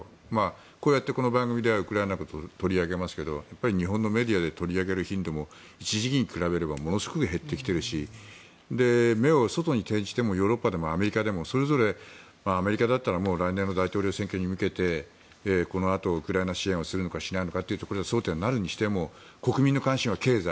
こうやってこの番組ではウクライナのことを取り上げますが日本のメディアで取り上げる頻度も一時期に比べればものすごく減ってきているし目を外に転じてもヨーロッパでもアメリカでもそれぞれアメリカだったら来年の大統領選挙に向けてこのあとウクライナ支援をするのか、しないのかで争点になるにしても国民の関心は経済。